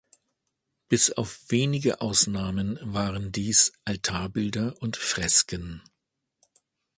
Bis auf wenige Ausnahmen waren dies Altarbilder und Fresken.